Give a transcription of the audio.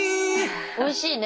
おいしいね。